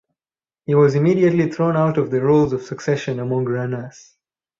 He was immediately thrown out of the roles of succession among Ranas.